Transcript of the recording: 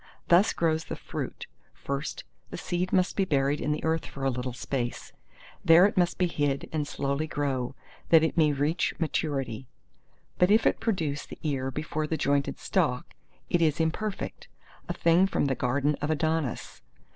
Thus grows the fruit; first, the seed must be buried in the earth for a little space; there it must be hid and slowly grow, that it may reach maturity. But if it produce the ear before the jointed stalk, it is imperfect—a thing from the garden of Adonis.